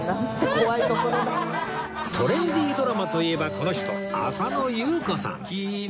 トレンディードラマといえばこの人浅野ゆう子さん